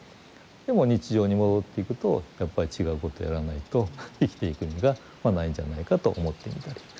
でも日常に戻っていくとやっぱり違うことをやらないと生きていく意味がないんじゃないかと思ってみたり。